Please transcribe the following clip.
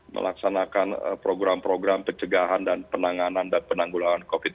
melaksanakan program program pencegahan dan penanganan dan penanggulangan covid